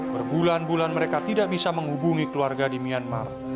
berbulan bulan mereka tidak bisa menghubungi keluarga di myanmar